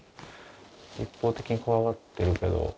一方的に怖がってるけど。